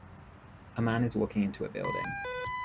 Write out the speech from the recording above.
A man is walking into a building.